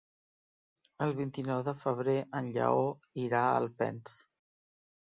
El vint-i-nou de febrer en Lleó irà a Alpens.